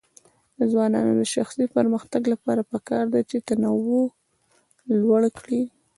د ځوانانو د شخصي پرمختګ لپاره پکار ده چې تنوع لوړ کړي.